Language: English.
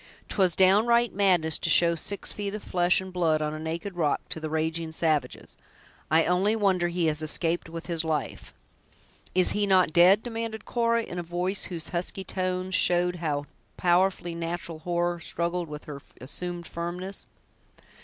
'Twas downright madness to show six feet of flesh and blood, on a naked rock, to the raging savages. I only wonder he has escaped with life." "Is he not dead?" demanded Cora, in a voice whose husky tones showed how powerfully natural horror struggled with her assumed firmness.